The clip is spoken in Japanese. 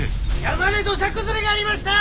「山で土砂崩れがありました！」